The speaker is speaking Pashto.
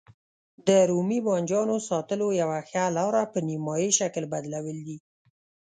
د رومي بانجانو ساتلو یوه ښه لاره په نیم مایع شکل بدلول دي.